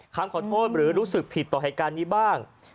คำขอโทษหรือรู้สึกผิดต่อเหตุการณ์นี้บ้าง